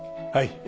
はい。